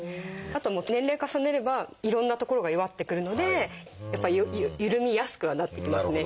あと年齢を重ねればいろんな所が弱ってくるのでやっぱり緩みやすくはなってきますね。